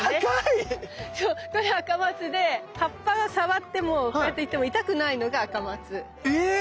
そうこれアカマツで葉っぱを触ってもこうやっても痛くないのがアカマツ。え